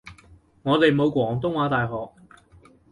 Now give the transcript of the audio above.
我哋冇廣東話大學